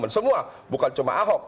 semua bukan cuma ahok